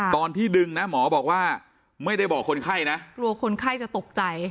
ตอนที่ดึงนะหมอบอกว่าไม่ได้บอกคนไข้นะกลัวคนไข้จะตกใจ